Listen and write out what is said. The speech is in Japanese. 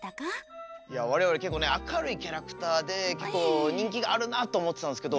我々結構ね明るいキャラクターで結構人気があるなと思ってたんですけど。